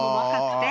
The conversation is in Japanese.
て。